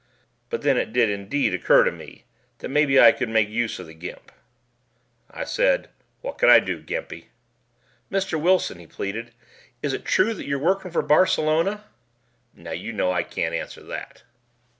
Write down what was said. But then it did indeed occur to me that maybe I could make use of the Gimp. I said, "What can I do, Gimpy?" "Mr. Wilson," he pleaded, "is it true that you're workin' for Barcelona?" "Now, you know I can't answer that."